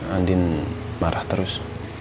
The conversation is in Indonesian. andin marah terus